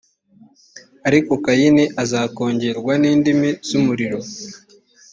ariko kayini azakongorwa n’indimi z’umuriro.